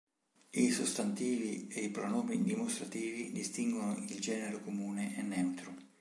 I sostantivi e i pronomi dimostrativi distinguono il genere comune e neutro.